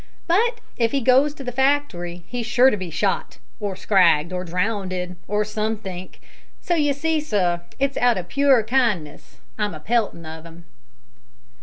but if he goes to the factory he's sure to be shot, or scragged, or drownded, or somethink; so you see, sir, it's out o' pure kindness I'm a peltin' of 'im."